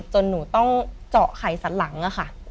หนูต้องเจาะไข่สันหลังอะค่ะ